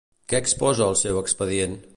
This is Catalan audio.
Què exposa el seu expedient?